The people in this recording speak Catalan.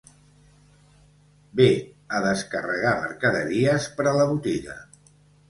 Ve a descarregar mercaderies per a la botiga.